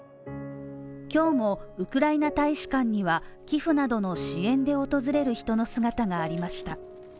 今日もウクライナ大使館には寄付などの支援で訪れる人の姿がありました。